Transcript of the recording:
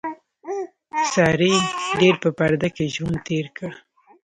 سارې ډېر په پرده کې ژوند تېر کړ.